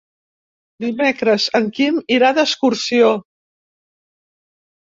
Dimecres en Quim irà d'excursió.